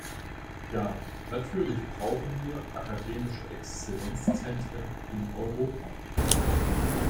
Ja, natürlich brauchen wir akademische Exzellenzzentren in Europa.